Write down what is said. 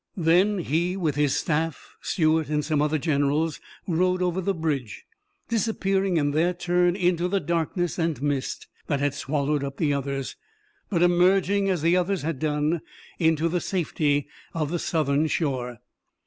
Then he, with his staff, Stuart and some other generals rode over the bridge, disappearing in their turn into the darkness and mist that had swallowed up the others, but emerging, as the others had done, into the safety of the Southern shore.